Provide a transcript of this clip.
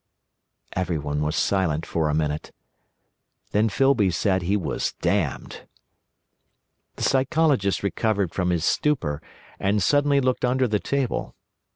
Everyone was silent for a minute. Then Filby said he was damned. The Psychologist recovered from his stupor, and suddenly looked under the table.